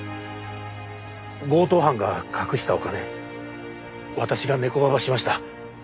強盗犯が隠したお金私がネコババしました。